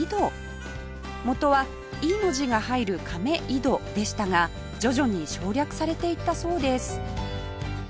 元は「井」の字が入る「亀井戸」でしたが徐々に省略されていったそうです